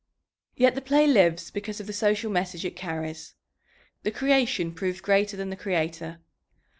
Yet the play lives because of the social message it carries. The creation proved greater than the creator.